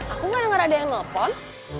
aku gak denger ada yang nelpon